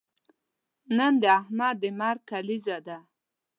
نن د احمد د مرګ کلیزه ده.